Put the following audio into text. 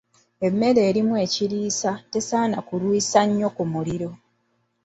Emmere erimu ekiriisa tesaana kulwisa nnyo ku muliro.